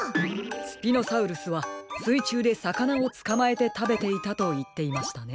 スピノサウルスはすいちゅうでさかなをつかまえてたべていたといっていましたね。